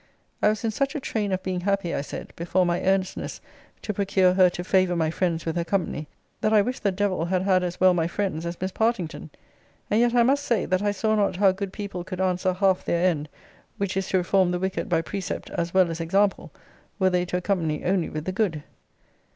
I was in such a train of being happy, I said, before my earnestness to procure her to favour my friends with her company, that I wished the devil had had as well my friends as Miss Partington and yet, I must say, that I saw not how good people could answer half their end, which is to reform the wicked by precept as well as example, were they to accompany only with the good.